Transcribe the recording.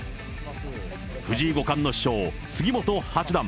藤井五冠の師匠、杉本八段。